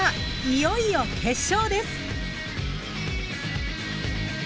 いよいよ決勝です！